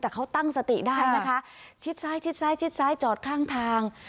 แต่เขาตั้งสติได้นะคะชิดซ้ายชิดซ้ายชิดซ้ายจอดข้างทาง